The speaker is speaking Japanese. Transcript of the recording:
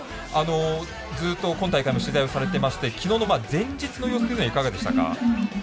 ずっと今大会の取材をされていまして前日の様子というのはいかがでしたか？